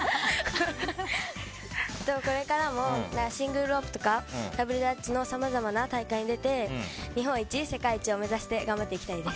これからもシングルロープとかダブルダッチのさまざまな大会に出て日本一、世界一を目指して頑張っていきたいです。